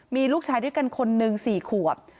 มีลูกชายด้วยกันคนหนึ่ง๔ขวบ